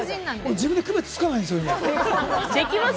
自分で区別つかないんですよ。できます？